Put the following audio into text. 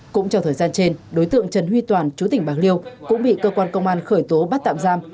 cũng trong thời gian trên đối tượng trần huy toàn chú tỉnh bạc liêu cũng bị cơ quan công an khởi tố bắt tạm giam